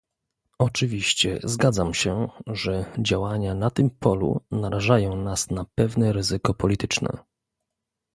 Oczywiście zgadzam się, że działania na tym polu narażają nas na pewne ryzyko polityczne